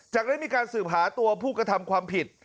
ได้มีการสืบหาตัวผู้กระทำความผิด